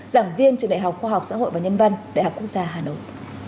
giảng viên trường đại học khoa học xã hội và nhân văn đại học quốc gia hà nội